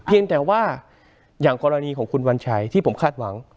เพียงแต่ว่าอย่างกรณีของคุณวัญชัยที่ผมคาดหวัง